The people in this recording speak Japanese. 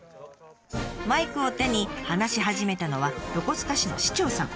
マイクを手に話し始めたのは横須賀市の市長さん。